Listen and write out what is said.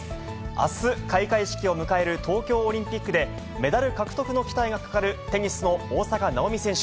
あす開会式を迎える東京オリンピックで、メダル獲得の期待がかかる、テニスの大坂なおみ選手。